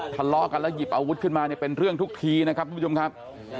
ทะเลาะกันแล้วหยิบอาวุธขึ้นมาเนี่ยเป็นเรื่องทุกทีนะครับทุกผู้ชมครับ